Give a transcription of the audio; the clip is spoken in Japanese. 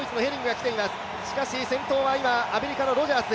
しかし先頭は今、アメリカのロジャーズ。